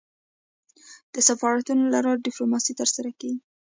د سفارتونو له لاري ډيپلوماسي ترسره کېږي.